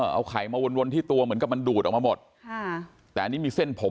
เอาไข่มาวนวนที่ตัวเหมือนกับมันดูดออกมาหมดค่ะแต่อันนี้มีเส้นผม